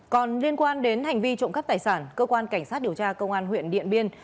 còn liên quan đến hành vi trộm cắp tài sản cơ quan cảnh sát điều tra công an huyện điện biên